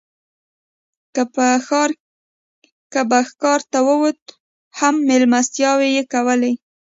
که به ښکار ته ووت هم مېلمستیاوې یې کولې.